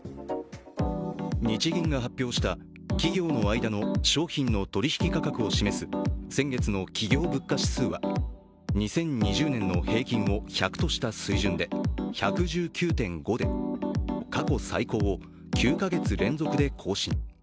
日銀が発表した企業の間の商品の取引価格を示す先月の企業物価指数は２０２０年の平均を１００とした水準で１１９．５で過去最高を９か月連続で更新。